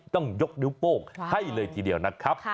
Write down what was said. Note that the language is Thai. ต้องยกนิ้วโป้งให้เลยทีเดียวนะครับ